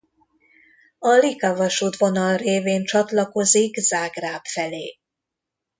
A Lika vasútvonal révén csatlakozik Zágráb felé.